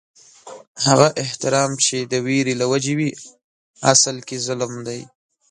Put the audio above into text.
هغه احترام چې د وېرې له وجې وي، اصل کې ظلم دي